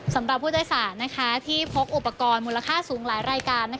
สำหรับผู้โดยสารที่พกอุปกรณ์มูลค่าสูงหลายรายการ